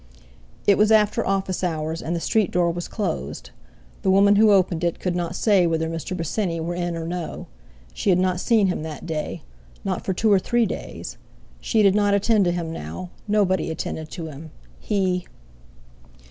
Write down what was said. It was after office hours, and the street door was closed; the woman who opened it could not say whether Mr. Bosinney were in or no; she had not seen him that day, not for two or three days; she did not attend to him now, nobody attended to him, he....